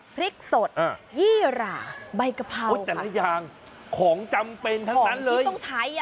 พริกสดยี่หร่าใบกะเพราโอ้แต่ละอย่างของจำเป็นทั้งนั้นเลยต้องใช้อ่ะ